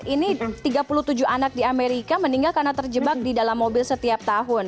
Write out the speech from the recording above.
ini tiga puluh tujuh anak di amerika meninggal karena terjebak di dalam mobil setiap tahun